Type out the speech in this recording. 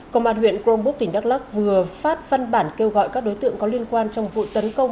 công an huyện crongbuk tỉnh đắk lắc vừa phát phân bản kêu gọi các đối tượng có liên quan trong vụ tấn công